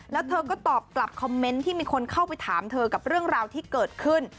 แล้วเธอก็ตอบกลับคอมเมนต์ที่มีคนเข้าไปถามเธอกับเรื่องราวที่เกิดขึ้น